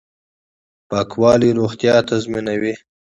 پاکوالی روغتیا تضمینوي